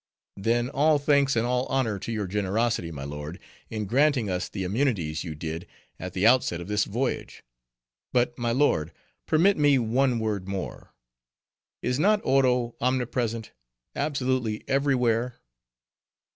"Then, all thanks and all honor to your generosity, my lord, in granting us the immunities you did at the outset of this voyage. But, my lord, permit me one word more. Is not Oro omnipresent—absolutely every where?"